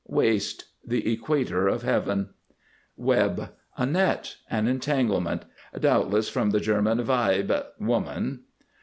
WAIST. The equator of Heaven. WEB. A net. An entanglement. Doubtless from the German weib, woman.